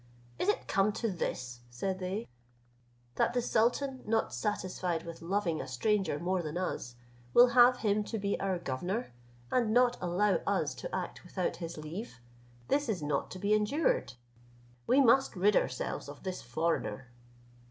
"Is it come to this," said they, "that the sultan, not satisfied with loving a stranger more than us, will have him to be our governor, and not allow us to act without his leave? this is not to be endured. We must rid ourselves of this foreigner."